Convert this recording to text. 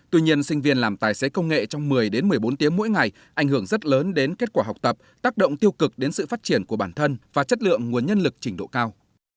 tuy nhiên sinh viên làm tài xế công nghệ trong một mươi một mươi bốn tiếng mỗi ngày ảnh hưởng rất lớn đến kết quả học tập tác động tiêu cực đến sự phát triển của bản thân và chất lượng nguồn nhân lực trình độ cao